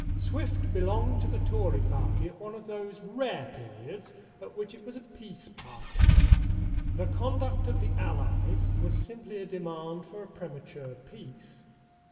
Swift belonged to the Tory Party at one of those rare periods at which it was a peace party. The Conduct of the Allies was simply a demand for a premature peace.